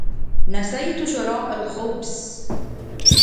نسيتُ شراء الخبز.